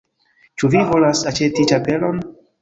Ĉu vi volas aĉeti ĉapelon?